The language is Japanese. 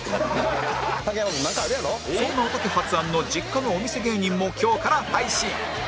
そんなおたけ発案の実家がお店芸人も今日から配信